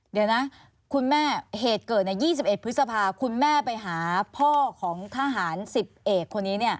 เดี๋ยวนะคุณแม่เหตุเกิด๒๑พฤษภาคุณแม่ไปหาพ่อของทหาร๑๐เอกคนนี้